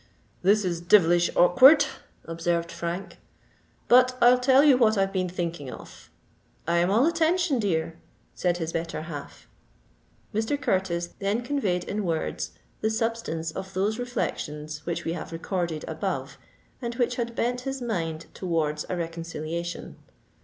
"This is devilish awkward!" observed Frank. "But I'll tell you what I've been thinking of." "I am all attention, dear," said his better half. Mr. Curtis then conveyed in words the substance of those reflections which we have recorded above, and which had bent his mind towards a reconciliation.